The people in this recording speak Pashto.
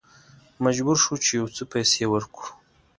مجبور شوو چې یو څه پیسې ورکړو.